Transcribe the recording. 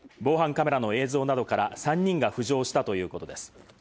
防犯カメラの映像などから３人が浮上したということです。